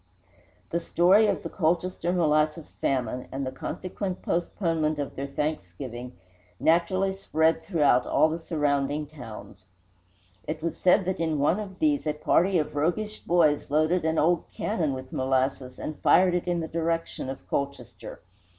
The story of the Colchester molasses famine, and the consequent postponement of their Thanksgiving, naturally spread throughout all the surrounding towns. It was said that in one of these a party of roguish boys loaded an old cannon with molasses and fired it in the direction of Colchester.